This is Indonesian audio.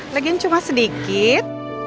lagian cuma sedikit